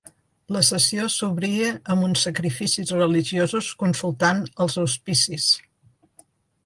La sessió s'obria amb uns sacrificis religiosos consultant els auspicis.